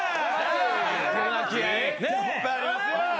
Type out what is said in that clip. いっぱいありますわ。